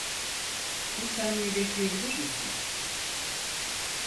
Bir saniye bekleyebilir misin?